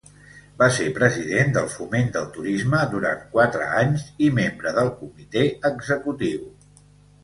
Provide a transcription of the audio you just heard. Va ser president del Foment del Turisme durant quatre anys i membre del Comitè Executiu.